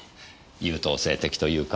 優等生的というか